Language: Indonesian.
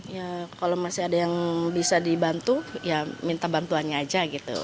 ya kalau masih ada yang bisa dibantu ya minta bantuannya aja gitu